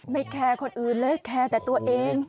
แคร์คนอื่นเลยแคร์แต่ตัวเอง